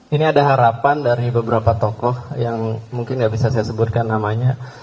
ini ada harapan dari beberapa tokoh yang mungkin nggak bisa saya sebutkan namanya